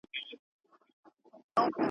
د زمري به سوې په خوله کي وچي ناړي ,